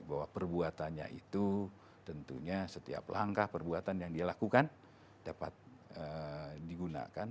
bahwa perbuatannya itu tentunya setiap langkah perbuatan yang dia lakukan dapat digunakan